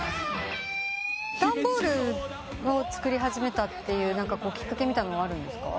段ボールを作り始めたというきっかけはあるんですか？